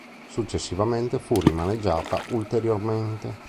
Successivamente fu rimaneggiata ulteriormente.